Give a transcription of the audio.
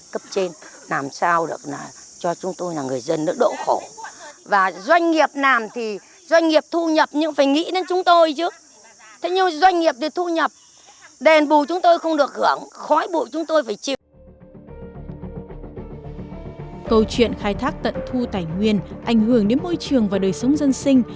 câu chuyện khai thác tận thu tài nguyên ảnh hưởng đến môi trường và đời sống dân sinh